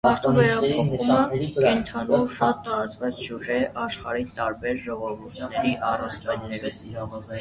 Մարդու վերափոխումը՝ կենդանու, շատ տարածված սյուժե է աշխարհի տարբեր ժողովուրդների առասպելներում։